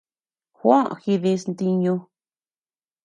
Juó jidis ntiñu.